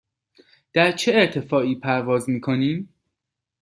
در چه ارتفاعی پرواز می کنیم؟